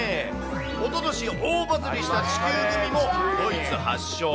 おととし、大バズりした地球グミもドイツ発祥。